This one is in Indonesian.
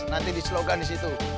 nanti di slogan disitu